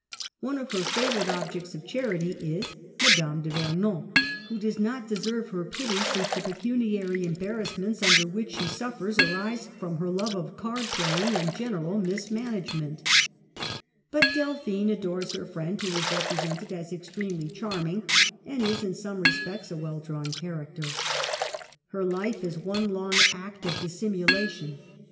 One of her favorite objects of charity is Madame de Vernon, who does not deserve her pity, since the pecuniary embarrassments under which she suffers arise from her love of card playing, and general mismanagement But Delphine adores jitizedbyLjC HER WORKS. 221 her friend, who is represented as extremely charming, and is in some respects a well drawn character. Her life is one long act of dissimu lation.